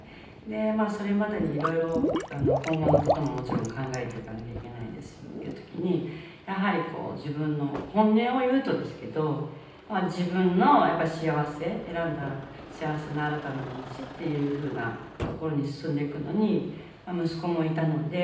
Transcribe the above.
まあそれまでにいろいろ今後の事ももちろん考えていかなきゃいけないですしっていう時にやはりこう自分の本音を言うとですけど自分の幸せ選んだ幸せな新たなる道っていう風なところに進んでいくのに息子もいたので。